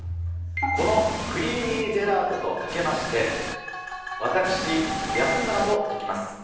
このクリーミージェラートとかけまして、私、安村と解きます。